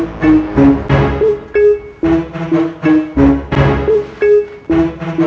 kemarilah banyaknya gila